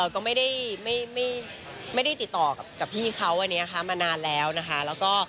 ก็ไม่ได้ติดต่อกับพี่เขามานานแล้วนะคะ